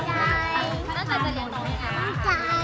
พวกเขาก็พลีบต่อไป